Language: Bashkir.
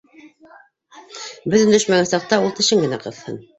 Беҙ өндәшмәгән саҡта, ул тешен генә ҡыҫһын.